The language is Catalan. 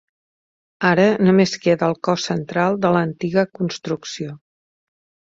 Ara només queda el cos central de l'antiga construcció.